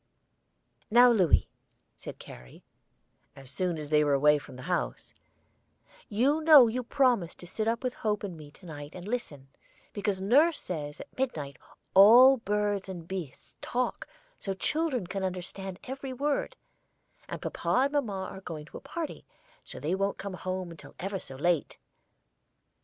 "Now, Louis," said Carrie, as soon as they were away from the house, "you know you promised to sit up with Hope and me to night and listen, because nurse says at midnight all birds and beasts talk so children can understand every word; and papa and mamma are going to a party, and they won't come home until ever so late."